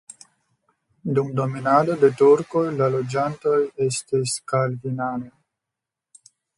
Dum dominado de turkoj la loĝantoj estis kalvinanoj.